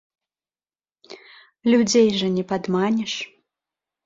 Людзей жа не падманеш.